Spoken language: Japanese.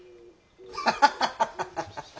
ハハハハハッ！